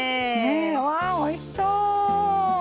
わあおいしそう。